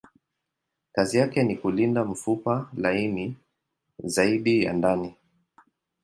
Kazi yake ni kulinda mfupa laini zaidi ya ndani.